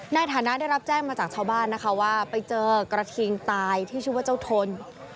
ในฐานะได้รับแจ้งมาจากชาวบ้านนะคะว่าไปเจอกระทิงตายที่ชื่อว่าเจ้าทน